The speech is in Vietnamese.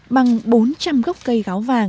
bằng bốn trăm linh gốc cây gáo vàng